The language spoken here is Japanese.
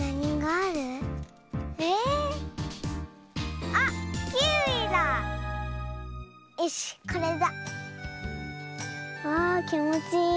わあきもちいい。